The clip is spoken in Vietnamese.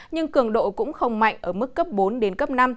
nhưng cường độ cũng không mạnh ở mức cấp bốn đến cấp năm